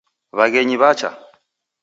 Waghenyi wacha.